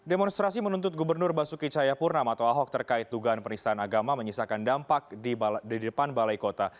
demonstrasi menuntut gubernur basuki cahayapurnam atau ahok terkait dugaan penistaan agama menyisakan dampak di depan balai kota